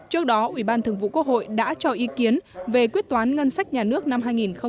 trước đó ủy ban thường vụ quốc hội đã cho ý kiến về quyết toán ngân sách nhà nước năm hai nghìn một mươi bảy